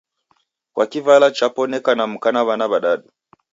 Kwa kivalo chapo neka na mka na 'wana w'adadu.